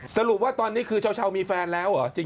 สรุปว่าตอนนี้คือเช้ามีแฟนแล้วเหรอ